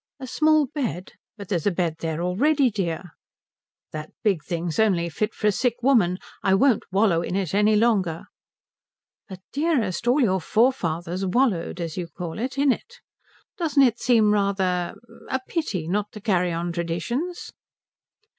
"A small bed? But there's a bed there already, dear." "That big thing's only fit for a sick woman. I won't wallow in it any longer." "But dearest, all your forefathers wallowed, as you call it, in it. Doesn't it seem rather a pity not to carry on traditions?"